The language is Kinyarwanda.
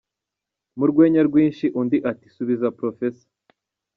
Murwenya rwinshi undi ati subiza Profesa!